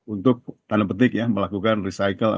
untuk tanam petik ya melakukan recycling